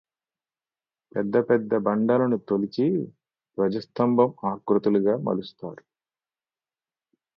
పెద్ద పెద్ద బండలను తొలిచి ధ్వజస్తంభం ఆకృతులుగా మలుస్తారు